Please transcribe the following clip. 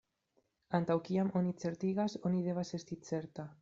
Antaŭ kiam oni certigas, oni devas esti certa.